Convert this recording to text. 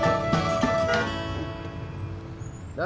tak ada masalah